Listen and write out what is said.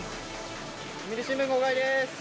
読売新聞、号外です。